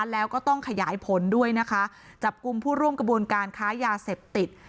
แล้วก็ต้องขยายผลด้วยนะคะจับกลุ่มผู้ร่วมกระบวนการค้ายาเสพติด